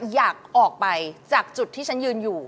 อยากออกไปจากจุดที่ฉันยืนอยู่